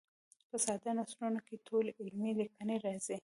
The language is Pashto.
په ساده نثرونو کې ټولې علمي لیکنې راځي.